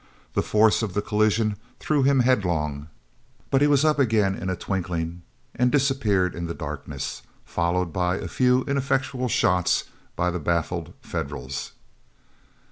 The force of the collision threw him headlong, but he was up again in a twinkling, and disappeared in the darkness, followed by a few ineffectual shots by the baffled Federals.